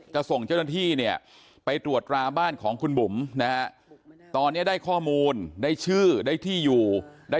จะส่งเจ้าหน้าที่เนี้ยไปตรวจราบ้านของคุณบุ๋มนะฮะ